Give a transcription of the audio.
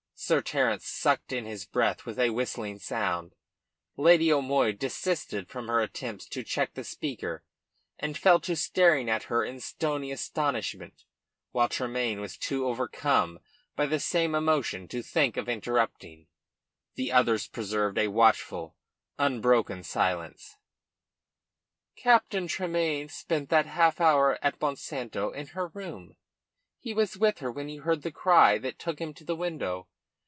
Sir Terence sucked in his breath with a whistling sound. Lady O'Moy desisted from her attempts to check the speaker and fell to staring at her in stony astonishment, whilst Tremayne was too overcome by the same emotion to think of interrupting. The others preserved a watchful, unbroken silence. "Captain Tremayne spent that half hour at Monsanto in her room. He was with her when he heard the cry that took him to the window.